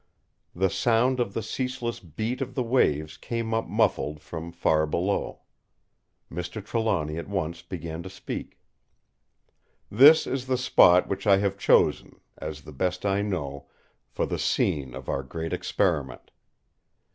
The sound of the ceaseless beat of the waves came up muffled from far below. Mr. Trelawny at once began to speak: "This is the spot which I have chosen, as the best I know, for the scene of our Great Experiment.